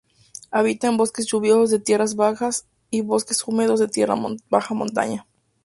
Habita en el bosque lluvioso de tierras bajas y bosque húmedo de baja montaña.